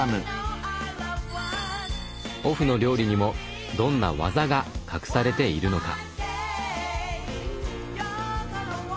オフの料理にもどんな技が隠されているのか？